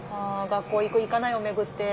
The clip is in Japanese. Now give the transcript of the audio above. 学校行く行かないを巡って。